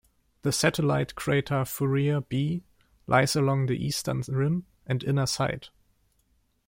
The satellite crater Fourier B lies along the eastern rim and inner side.